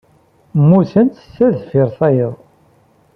Mmutent ta deffir tayeḍ.